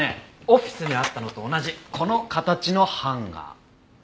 オフィスにあったのと同じこの形のハンガー。